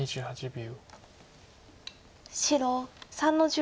２８秒。